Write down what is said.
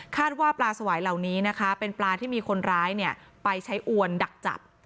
ว่าปลาสวายเหล่านี้นะคะเป็นปลาที่มีคนร้ายไปใช้อวนดักจับ